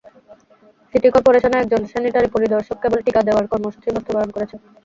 City করপোরেশনে একজন sanitary পরিদর্শক কেবল টিকা দেওয়ার কর্মসূচি বাস্তবায়ন করছেন।